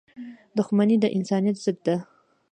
• دښمني د انسانیت ضد ده.